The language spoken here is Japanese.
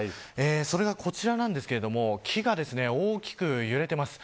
それがこちらなんですが木が大きく揺れています。